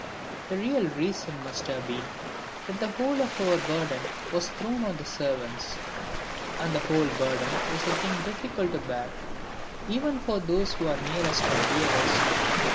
The real reason must have been that the whole of our burden was thrown on the servants, and the whole burden is a thing difficult to bear even for those who are nearest and dearest.